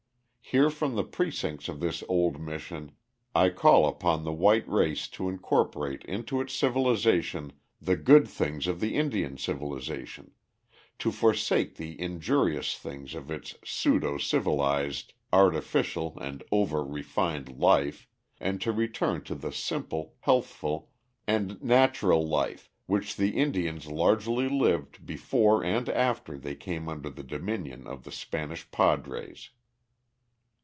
Here from the precincts of this old mission, I call upon the white race to incorporate into its civilization the good things of the Indian civilization; to forsake the injurious things of its pseudo civilized, artificial, and over refined life, and to return to the simple, healthful, and natural life which the Indians largely lived before and after they came under the dominion of the Spanish padres.